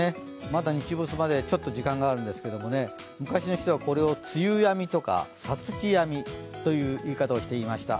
まだ日没まで、ちょっと時間があるんですけど、昔の人はこれを梅雨やみとか五月やみという言い方をしていました。